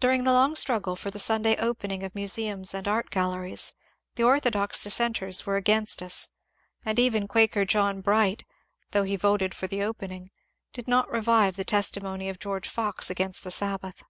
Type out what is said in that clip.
During the long struggle for the Sunday opening of mu seums and art galleries the orthodox dissenters were against us, and even Quaker John Bright, though he voted for the opening, did not revive the testimony of George Fox against the Sabbath.